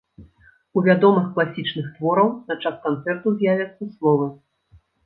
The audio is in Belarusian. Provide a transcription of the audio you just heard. У вядомых класічных твораў на час канцэрту з'явяцца словы.